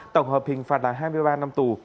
tổng hợp hình phạt là hai mươi ba năm tù